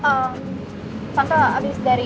tante habis dari mana kenapa nih mobilnya arin